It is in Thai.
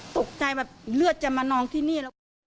ตกใจแบบเลือดจะมานองที่นี่